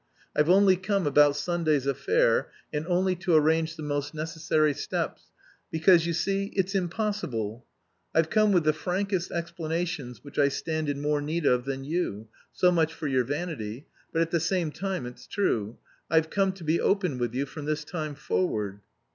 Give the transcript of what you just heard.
I've only come about Sunday's affair, and only to arrange the most necessary steps, because, you see, it's impossible. I've come with the frankest explanations which I stand in more need of than you so much for your vanity, but at the same time it's true. I've come to be open with you from this time forward."